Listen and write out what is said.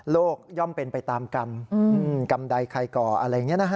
ย่อมเป็นไปตามกรรมกรรมใดใครก่ออะไรอย่างนี้นะฮะ